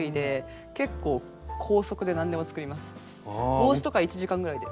帽子とか１時間ぐらいで。